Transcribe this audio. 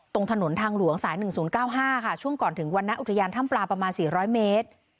ตรงถนนทางหลวงสายหนึ่งศูนย์เก้าห้าค่ะช่วงก่อนถึงวันนั้นอุทยานถ้ำปลาประมาณสี่ร้อยเมตร